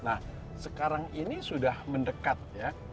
nah sekarang ini sudah mendekat ya